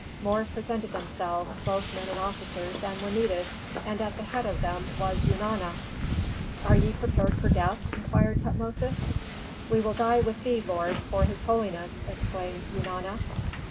More presented themselves, both men and officers, than were needed, and at the head of them Eunana. "Are ye prepared for death?" inquired Tutmosis. "We will die with thee, lord, for his holiness!" exclaimed Eunana.